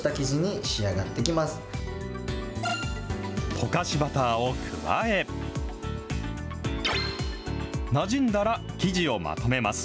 溶かしバターを加え、なじんだら生地をまとめます。